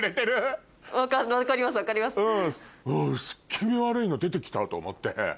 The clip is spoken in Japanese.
薄気味悪いの出て来たと思って。